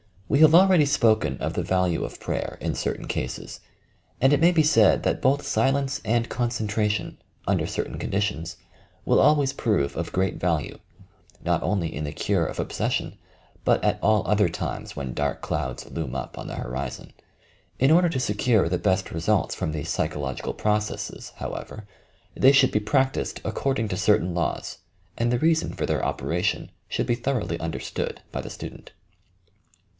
Wc have already spoken of the value of prayer, in certain cases, and it may be said that both silence and concentration, under certain conditions, will always prove of great value, — not only in the cure of ob session but at all other times when dark clouds loom up on the horizon. In order to secure the best results from these psychological processes, however, they should be practised according to certain laws, and the reason for their operation should be thoroughly understood by the student.